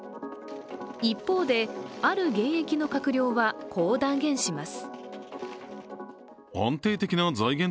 一方で、ある現役の閣僚はこう断言します。